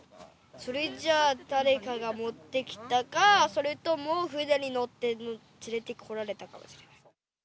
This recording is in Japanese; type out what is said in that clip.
それじゃあ、誰かが持ってきたか、それとも船に乗って連れてこられたかもしれません。